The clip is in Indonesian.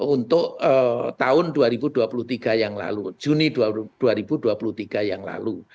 untuk tahun dua ribu dua puluh tiga yang lalu juni dua ribu dua puluh tiga yang lalu